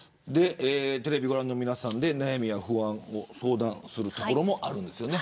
テレビのご覧の皆さんで悩みや不安を相談するところもあるんですよね。